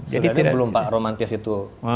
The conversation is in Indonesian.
jadi belum pak romantis itu